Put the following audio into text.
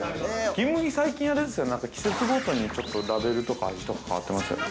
◆金麦、最近あれですよね、季節ごとにちょっとラベルとか味とか変わってますよね。